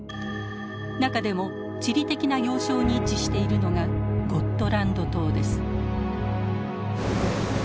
中でも地理的な要衝に位置しているのがゴットランド島です。